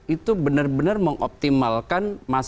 itu benar benar mengoptimalkan masalah